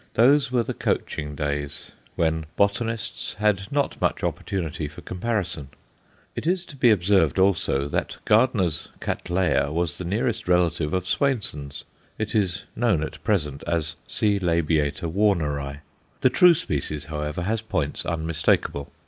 Those were the coaching days, when botanists had not much opportunity for comparison. It is to be observed, also, that Gardner's Cattleya was the nearest relative of Swainson's; it is known at present as C. labiata Warneri. The true species, however, has points unmistakable.